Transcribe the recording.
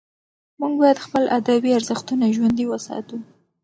موږ باید خپل ادبي ارزښتونه ژوندي وساتو.